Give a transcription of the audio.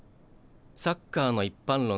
サッカーの一般論